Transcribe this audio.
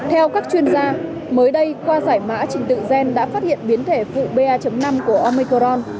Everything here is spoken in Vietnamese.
theo các chuyên gia mới đây qua giải mã trình tự gen đã phát hiện biến thể vụ ba năm của omicron